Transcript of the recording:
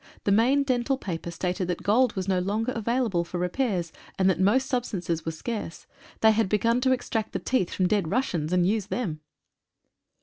The main dental paper stated that gold was no longer available for repairs, and that most substances were scarce. They had begun to extract the teeth from dead Russians and use them